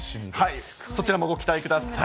そちらもご期待ください。